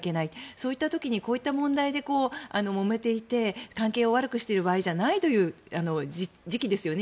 そういった時にこういった問題でもめていて関係を悪くしている場合じゃないという時期ですよね